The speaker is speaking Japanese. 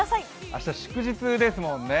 明日祝日ですもんね。